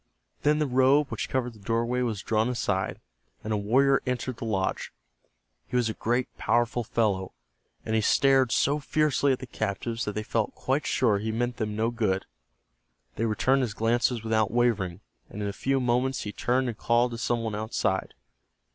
Then the robe which covered the doorway was drawn aside, and a warrior entered the lodge. He was a great powerful fellow, and he stared so fiercely at the captives that they felt quite sure he meant them no good. They returned his glances without wavering, and in a few moments he turned and called to some one outside.